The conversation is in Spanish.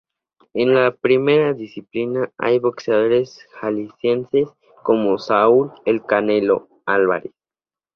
En la primera disciplina hay boxeadores jaliscienses, como Saúl "el Canelo" Álvarez.